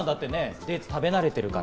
デーツを食べ慣れてるから。